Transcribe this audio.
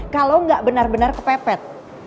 kalo gak benar benar kepepet